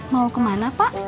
mau kemana pak